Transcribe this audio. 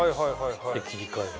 で切り替え。